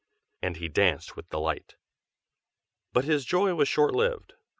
and he danced with delight. But his joy was shortlived.